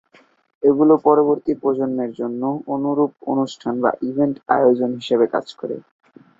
এগুলি পরবর্তী প্রজন্মের জন্য অনুরূপ অনুষ্ঠান বা ইভেন্ট আয়োজনের হিসাবে কাজ করে।